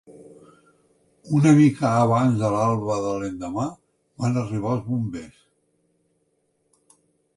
Una mica abans de l'alba de l'endemà, van arribar els bombers.